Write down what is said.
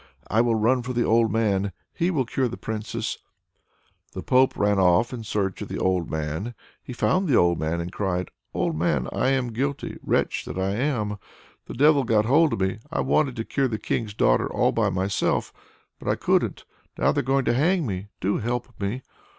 I will run for the old man, he will cure the Princess." The Pope ran off in search of the old man. He found the old man, and cried: "Old man! I am guilty, wretch that I am! The Devil got hold of me. I wanted to cure the King's daughter all by myself, but I couldn't. Now they're going to hang me. Do help me!"